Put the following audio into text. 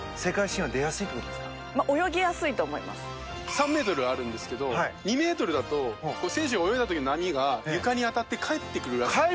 ３メートルあるんですけど２メートルだと選手が泳いだ時の波が床に当たって返ってくるらしいんです。